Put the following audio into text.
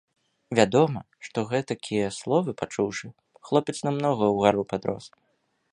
Вядома, што, гэтакія словы пачуўшы, хлопец намнога ўгару падрос.